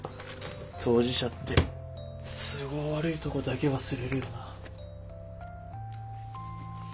当事者って都合悪いとこだけ忘れるよな。